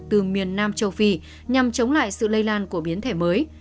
từ miền nam châu phi nhằm chống lại sự lây lan của biến thể mới